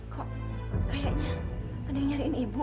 kok kayaknya ada yang nyariin ibu